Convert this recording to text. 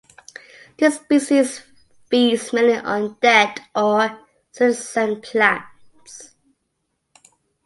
This species feeds mainly on dead or senescent plants.